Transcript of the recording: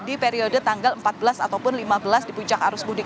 di periode tanggal empat belas ataupun lima belas di puncak arus mudik